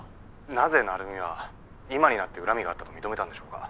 なぜ成海は今になって恨みがあったと認めたんでしょうか。